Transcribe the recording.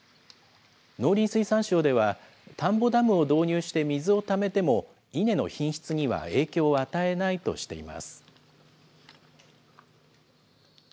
農林水産省では、田んぼダムを導入して水をためても、稲の品質には影響を与えないとしています。